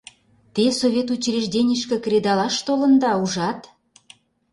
Те Совет учрежденийышке кредалаш толында, ужат!